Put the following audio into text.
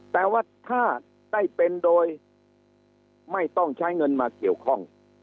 แต่ว่าถ้าได้เป็นโดยไม่ต้องใช้เงินมาเกี่ยวข้อง